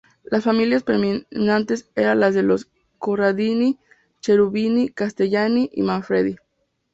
Las familias preeminentes eran las de los Corradini, Cherubini, Castellani y Manfredi.